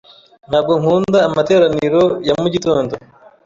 Ntabwo nkunda amateraniro ya mugitondo.